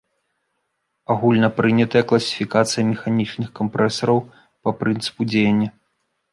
Агульнапрынятая класіфікацыя механічных кампрэсараў па прынцыпу дзеяння.